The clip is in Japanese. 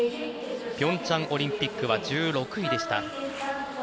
平昌オリンピックは１６位でした。